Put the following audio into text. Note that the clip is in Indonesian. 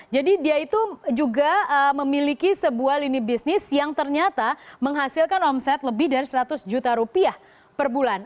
jadi dia itu juga memiliki sebuah lini bisnis yang ternyata menghasilkan omset lebih dari seratus juta rupiah per bulan